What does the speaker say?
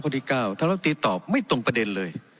คนที่เก้าท่านรัฐมนตร์ตอบไม่ตรงประเด็นเลย